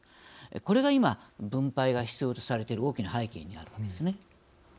これが今分配が必要とされている大きな背景にあるわけですね。